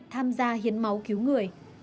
tham gia hiến máu cứu người